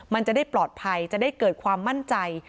มันจะได้ปลอดภัยจะได้เกิดความมั่นใจ